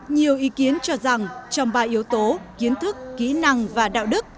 nhiều ý kiến cho rằng trong ba yếu tố kiến thức kỹ năng và đạo đức